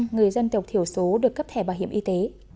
một trăm linh người dân tộc thiểu số được cấp thẻ bảo hiểm y tế